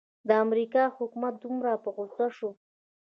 د امریکا حکومت دومره په غوسه شو.